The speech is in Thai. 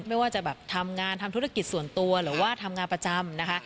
ไม่ว่าจะแบบทำงานทำธุรกิจส่วนตัวหรือว่าทำงานประจำนะคะ